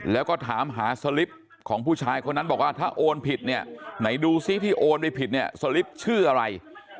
แล้วก็ถามหาสลิปของผู้ชายคนนั้นบอกว่าถ้าโอนผิดเนี่ยไหนดูซิที่โอนไปผิดเนี่ยสลิปชื่ออะไร